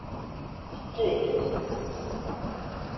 Qqu.